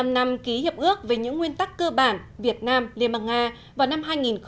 hai mươi năm năm ký hiệp ước về những nguyên tắc cơ bản việt nam liên bang nga vào năm hai nghìn một mươi chín